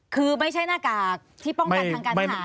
คือไม่ใช่หน้ากากที่ป้องกันทางการทหาร